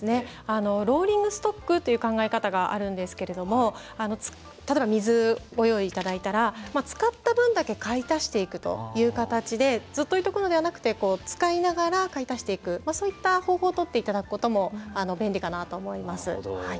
ローリングストックって考え方があるんですが使った分だけ買い足していくという形でずっと置いておくのではなくて使いながら、買い足していくという方法をとっていただくのも便利かなと思います。